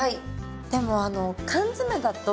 でもあの缶詰だと。